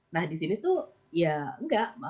nah di sini tuh ya enggak